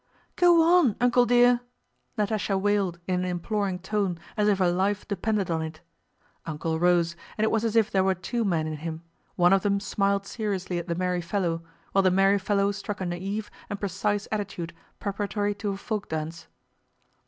"Go on, Uncle dear," Natásha wailed in an imploring tone as if her life depended on it. "Uncle" rose, and it was as if there were two men in him: one of them smiled seriously at the merry fellow, while the merry fellow struck a naïve and precise attitude preparatory to a folk dance.